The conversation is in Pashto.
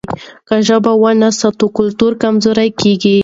که ژبه ونه ساتو کلتور کمزوری کېږي.